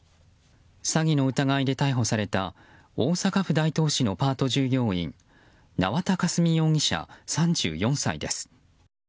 詐欺の疑いで逮捕された大阪府大東市のパート従業員縄田佳純容疑者、３４歳です。